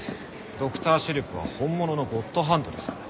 ドクター・シェルプは本物のゴッドハンドですから。